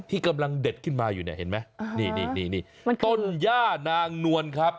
ที่กำลังเด็ดขึ้นมาอยู่เนี่ยเห็นไหมนี่นี่ต้นย่านางนวลครับ